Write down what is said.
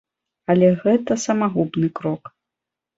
Але гэта самагубны крок.